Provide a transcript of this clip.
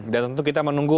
dan tentu kita menunggu